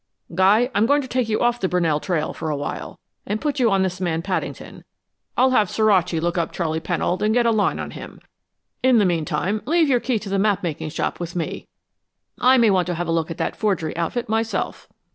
Guy, I'm going to take you off the Brunell trail for a while, and put you on this man Paddington. I'll have Suraci look up Charley Pennold and get a line on him. In the meantime, leave your key to the map making shop with me. I may want to have a look at that forgery outfit myself."